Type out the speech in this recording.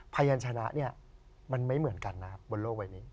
พยานชนะเนี่ยมันไม่เหมือนกันนะครับบนโลกใบนี้